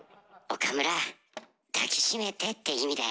「岡村抱き締めて」って意味だよ。